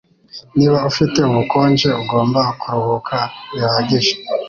Niba ufite ubukonje, ugomba kuruhuka bihagije.